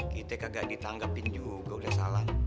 kita kagak ditanggapin juga udah salah